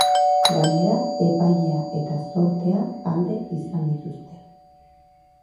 Gainera, epailea eta zortea alde izan dituzte.